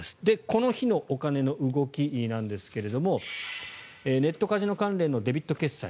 この日のお金の動きなんですがネットカジノ関連のデビット決済